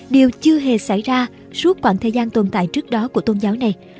đều chưa hề xảy ra suốt quãng thời gian tồn tại trước đó của tôn giáo này